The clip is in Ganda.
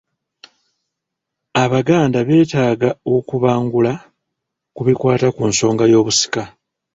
Abaganda beetaaga okubangula ku bikwata ku nsonga y’obusika.